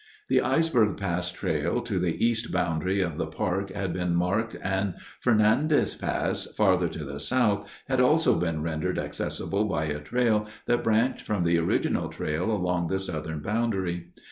The Isberg Pass trail to the east boundary of the park had been marked and Fernandez Pass, farther to the south, had also been rendered accessible by a trail that branched from the original trail along the southern boundary.